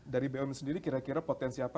dari bumn sendiri kira kira potensi apa